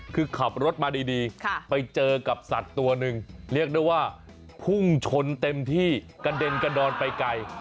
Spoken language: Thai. คือขับรถมาดีไปเจอกับสัตว์ตัวหนึ่งเรียกได้ว่าพุ่งชนเต็มที่กระเด็นกระดอนไปไกล